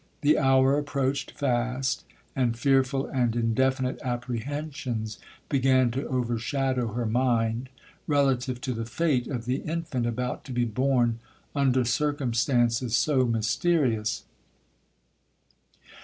The hour approached fast, and fearful and indefinite apprehensions began to overshadow her mind, relative to the fate of the infant about to be born under circumstances so mysterious.